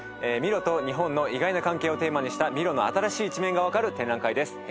ミロと日本の意外な関係をテーマにしたミロの新しい一面が分かる展覧会です。